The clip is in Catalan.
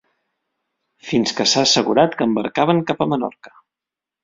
Fins que s'ha assegurat que embarcaven cap a Menorca.